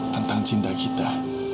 tentang cinta kita